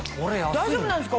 大丈夫なんですか？